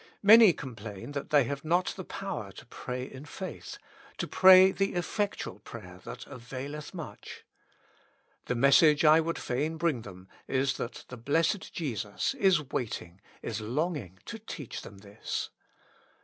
( Many complain that they have not the power to pray in faith, to pray the efifectual prayer that availeth much. The message I would fain bring them is that the blessed Jesus is waiting, is longing, to teach them this.